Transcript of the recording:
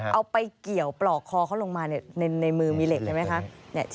เอาไปเกี่ยวปลอกคอเขาลงมาในมือมีเหล็กใช่ไหมคะ